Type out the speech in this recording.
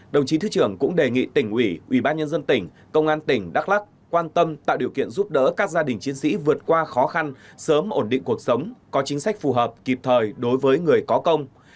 đồng chí thứ trưởng cũng đề nghị tỉnh ủy ủy ban nhân dân tỉnh công an tỉnh đắk lắc quan tâm tạo điều kiện giúp đỡ các gia đình chiến sĩ vượt qua khó khăn sớm ổn định cuộc sống có chính sách phù hợp kịp thời đối với người có công